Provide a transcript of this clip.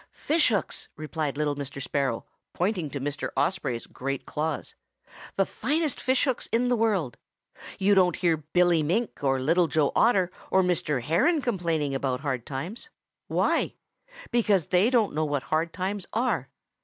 "'Fishhooks!' replied little Mr. Sparrow, pointing to Mr. Osprey's great claws, 'the finest fishhooks in the world. You don't hear Billy Mink or Little Joe Otter or Mr. Heron complaining about hard times. Why? Because they don't know what hard times are.